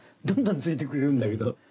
どんどんついでくれるんだけど。